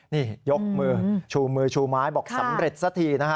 นี่ยกมือชูมือชูไม้บอกสำเร็จสักทีนะฮะ